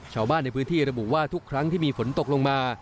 ชาวบ้านในพื้นที่ระบุว่าทุกครั้งที่มีฝนตกลงมา